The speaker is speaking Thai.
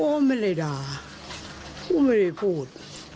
โอ้ไม่ได้ด่าโอ้ไม่ได้พูด